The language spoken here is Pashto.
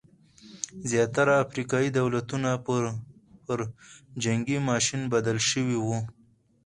زیاتره افریقايي دولتونه پر جنګي ماشین بدل شوي وو.